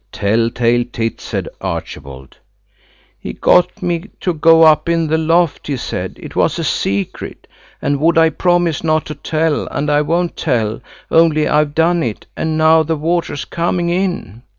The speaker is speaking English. "Tell tale tit," said Archibald. "He got me to go up into the loft and he said it was a secret, and would I promise not to tell, and I won't tell; only I've done it, and now the water's coming in."